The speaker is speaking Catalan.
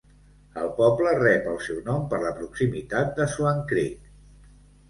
El poble rep el seu nom per la proximitat de Swan Creek..